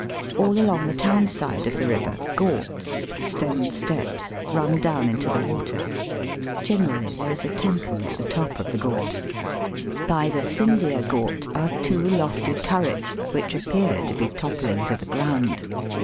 All along the town side of the river ghats (stone steps) run down into the water. Generally there is a temple at the top of the ghat. By the Sindhia ghat are two lofty turrets, which appear to be toppling to the ground.